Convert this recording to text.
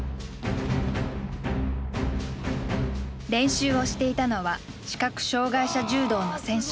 練習をしていたのは視覚障害者柔道の選手